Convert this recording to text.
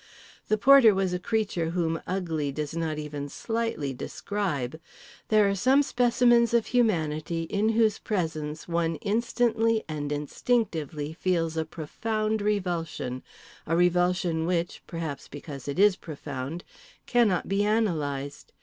The porter was a creature whom Ugly does not even slightly describe. There are some specimens of humanity in whose presence one instantly and instinctively feels a profound revulsion, a revulsion which—perhaps because it is profound—cannot be analysed.